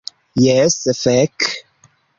Jes, fek.